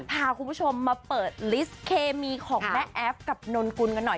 พาคุณผู้ชมมาเปิดลิสต์เคมีของแม่แอฟกับนนกุลกันหน่อย